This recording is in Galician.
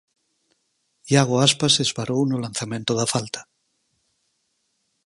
Iago Aspas esvarou no lanzamento da falta.